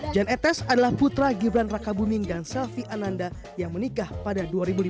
jan etes adalah putra gibran raka buming dan selvi ananda yang menikah pada dua ribu lima belas